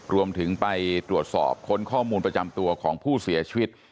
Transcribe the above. รวมถึงไปตรวจสอบค้นข้อมูลประจำตัวของผู้เสียชีวิต